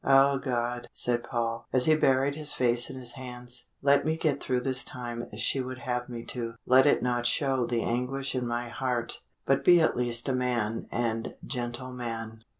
"O God!" said Paul, as he buried his face in his hands, "let me get through this time as she would have me do; let me not show the anguish in my heart, but be at least a man and gentleman."